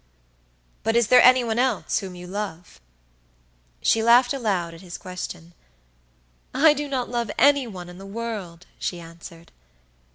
"But is there any one else whom you love?" She laughed aloud at his question. "I do not love any one in the world," she answered.